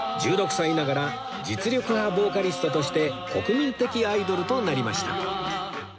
１６歳ながら実力派ボーカリストとして国民的アイドルとなりました